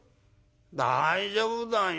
「大丈夫だよ。